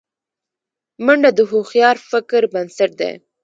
منډه د هوښیار فکر بنسټ دی